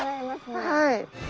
はい。